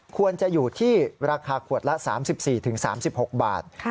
ควรจะอยู่ที่ราคาขวดละ๓๔๓๖บาท